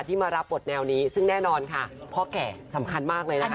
มารับบทแนวนี้ซึ่งแน่นอนค่ะพ่อแก่สำคัญมากเลยนะคะ